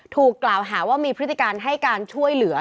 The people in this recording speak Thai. ถูกกล่าวหาว่ามีพฤติการให้การช่วยเหลือ